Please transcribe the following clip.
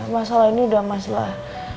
masalah ini udah masalah